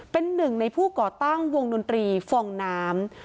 เป็นหนึ่งในผู้ก่อตั้งวงดนตรีฟองน้ำ